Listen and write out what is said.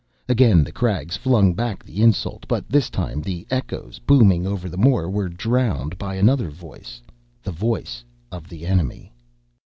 Again the crags flung back the insult, but this time the echoes, booming over the moor, were drowned by another voice, the voice of the enemy.